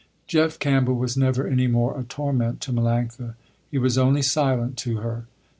Jeff Campbell was never any more a torment to Melanctha, he was only silent to her.